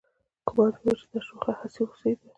ګومان مې و چې دا شوخه هوسۍ به